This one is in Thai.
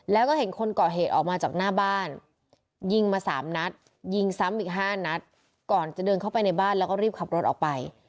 แล้วก็เห็นคนก่อเหตุออกมาจากหน้าบ้านยิงมาสามนัดยิงซ้ำอีก๕นัดก่อนจะเดินเข้าไปในบ้านแล้วก็รีบขับรถออกไป